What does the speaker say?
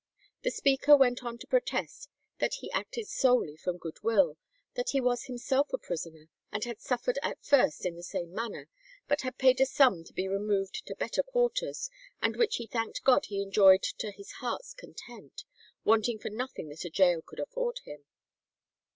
'" The speaker went on to protest that he acted solely from good will; that he was himself a prisoner, and had suffered at first in the same manner, but had paid a sum to be removed to better quarters, and which he thanked God he enjoyed to his heart's content, wanting for nothing that a gaol could afford him.